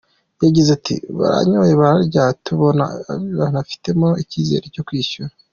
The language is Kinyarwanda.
Yagize ati “Baranyoye, bararya, tubona aria bantu bifitemo icyizere cyo kwishyura.